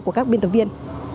của các biên tập viên